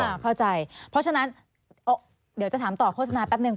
เข้าใจเพราะฉะนั้นเดี๋ยวจะถามต่อโฆษณาแป๊บนึง